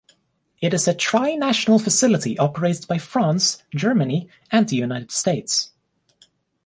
It is a tri-national facility operated by France, Germany and the United States.